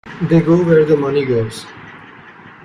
They go where the money goes.